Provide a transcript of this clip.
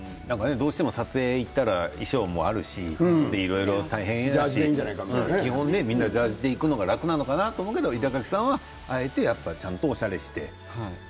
どうしても撮影に行ったら衣装もあるしいろいろ大変だし基本、みんなジャージで行くのが楽なのかなと思ったんですが板垣さんはあえてちゃんとおしゃれして。